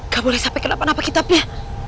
gak boleh sampai kena penapa kitabnya